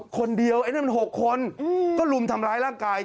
คนเดียวไอ้นั่นมัน๖คนก็ลุมทำร้ายร่างกาย